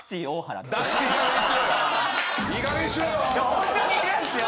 ホントにいるんすよ！